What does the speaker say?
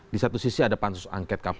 di satu sisi ada pansusun